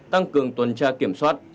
tăng cường tuần tra kiểm soát